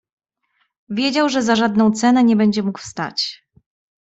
"Wiedział, że za żadną cenę nie będzie mógł wstać."